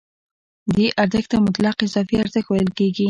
دې ارزښت ته مطلق اضافي ارزښت ویل کېږي